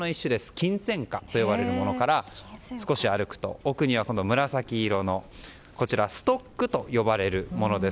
キンセンカと呼ばれるものから奥には、紫色のストックと呼ばれるものです。